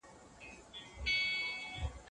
د علم پراختیا د څېړنې له لارې امکان لري.